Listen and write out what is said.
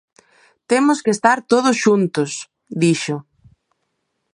"Temos que estar todos xuntos", dixo.